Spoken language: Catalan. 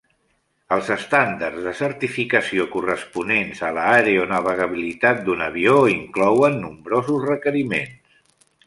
Els estàndards de certificació corresponents a l'aeronavegabilitat d'un avió inclouen nombrosos requeriments.